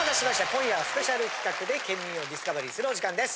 今夜はスペシャル企画でケンミンをディスカバリーするお時間です。